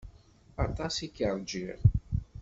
Aṭas i k-rjiɣ.